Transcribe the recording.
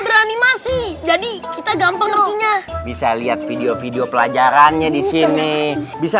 beranimasi jadi kita gampang ngertinya bisa lihat video video pelajarannya di sini bisa